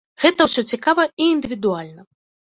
Гэта ўсё цікава і індывідуальна.